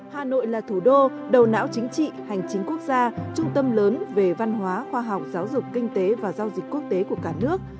hà nội là thủ đô đầu não chính trị hành chính quốc gia trung tâm lớn về văn hóa khoa học giáo dục kinh tế và giao dịch quốc tế của cả nước